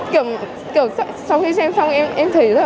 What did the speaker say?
kiểu sau khi xem xong em thấy là